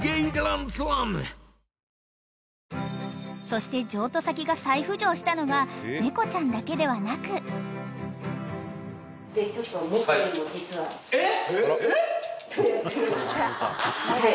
［そして譲渡先が再浮上したのは猫ちゃんだけではなく］えっ！？